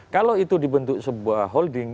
kalau itu dibentuk sebuah holding